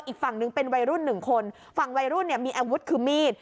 อีกฝั่งนึงเป็นวัยรุ่นหนึ่งคนฝั่งวัยรุ่นเนี่ยมีอาวุธคือมีด